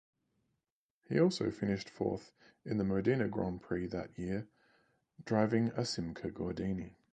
He also finished fourth in the Modena Grand Prix that year, driving a Simca-Gordini.